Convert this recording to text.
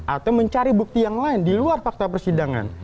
atau mencari bukti yang lain di luar fakta persidangan